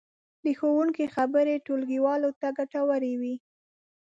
د ښوونکي خبرې ټولګیوالو ته ګټورې وې.